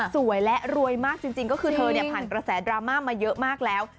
สวยและรวยมากจริงก็คือเธอผ่านกระแสดราม่ามาเยอะมากแล้ว